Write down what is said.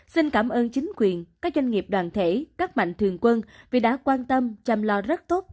xin cảm ơn chính quyền các doanh nghiệp đoàn thể các mạnh thường quân vì đã quan tâm chăm lo rất tốt